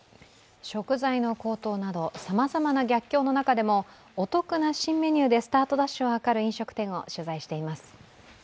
食材の高騰などさまざまな逆境の中でもお得な新メニューでスタートダッシュを図る飲食店を取材しています。